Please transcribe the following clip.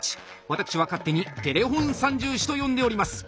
私は勝手にテレフォン三銃士と呼んでおります。